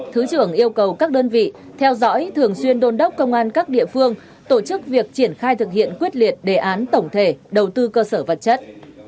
thứ trưởng yêu cầu các đơn vị theo dõi thường xuyên đôn đốc công an các địa phương tổ chức việc triển khai thực hiện quyết liệt đề án tổng thể đầu tư cơ sở vật chất